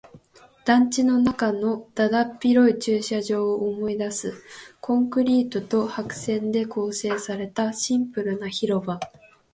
団地の中のだだっ広い駐車場を思い出す。コンクリートと白線で構成されたシンプルな広場。